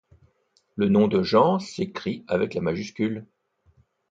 Le nom de genre s'écrit avec la majuscule.